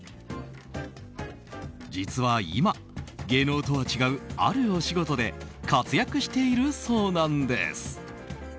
実は今、芸能とは違うあるお仕事で活躍しているそうなんです。